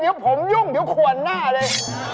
เดี๋ยวผมยุ่งเดี๋ยวขวนหน้าเลย